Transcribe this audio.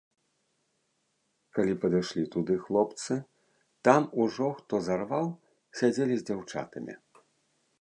Калі падышлі туды хлопцы, там ужо, хто зарваў, сядзелі з дзяўчатамі.